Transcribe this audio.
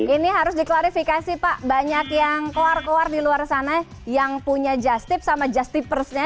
ini harus diklarifikasi pak banyak yang keluar keluar di luar sana yang punya just tip sama just tipersnya